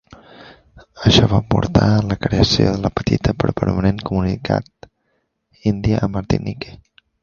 Això va portar a la creació de la petita, però permanent, comunitat índia a Martinique.